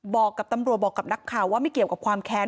บอกกับตำรวจบอกกับนักข่าวว่าไม่เกี่ยวกับความแค้น